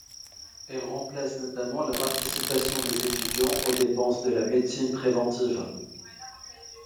Elle remplace notamment la participation des étudiants aux dépenses de la médecine préventive.